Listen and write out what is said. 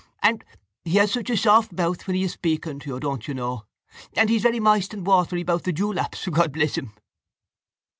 —And he has such a soft mouth when he's speaking to you, don't you know. He's very moist and watery about the dewlaps, God bless him.